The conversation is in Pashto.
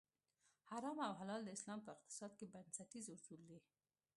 حرام او حلال د اسلام په اقتصاد کې بنسټیز اصول دي.